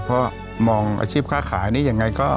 เพราะมองอาชีพค่าขายนี่ยังไงก็